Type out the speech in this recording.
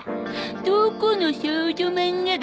どこの少女漫画だ。